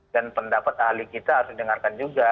dan pendapat ahli kita harus didengarkan juga